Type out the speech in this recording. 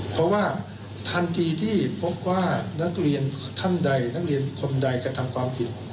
เพราะว่าทันทีที่พบว่านักเรียนท่านใดนักเรียนคนใดกระทำความผิด